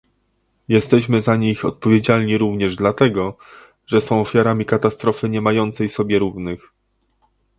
Jesteśmy za nich odpowiedzialni również dlatego, że są ofiarami katastrofy niemającej sobie równych